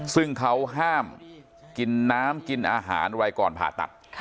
ซึ่งเขาห้ามกินน้ำกินอาหารไว้ก่อนผ่าตัด